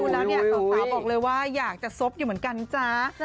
ต่อตาบอกเลยว่าอยากจะซบอยู่เหมือนกันจ๊ะ